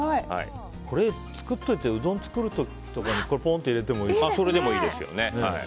これ作っておいてうどん作る時とかに入れてもそれでもいいですよね。